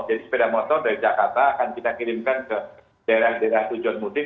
jadi sepeda motor dari jakarta akan kita kirimkan ke daerah daerah tujuan mudik